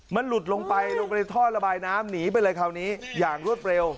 มันหลุดลงไปลงไปในท่อระบายน้ำหนีไปเลยคราวนี้อย่างรวดเร็ว